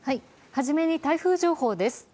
初めに台風情報です。